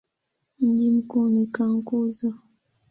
Mji mkuu ni Cankuzo.